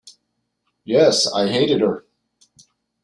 Yes, I hated her.